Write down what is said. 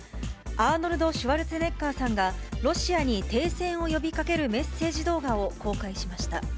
アーノルド・シュワルツェネッガーさんが、ロシアに停戦を呼びかけるメッセージ動画を公開しました。